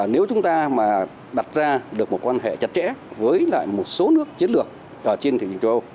nếu chúng ta mà đặt ra được một quan hệ chặt chẽ với lại một số nước chiến lược trên thị trường châu âu